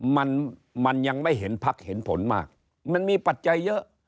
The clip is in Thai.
มันมันยังไม่เห็นพักเห็นผลมากมันมีปัจจัยเยอะ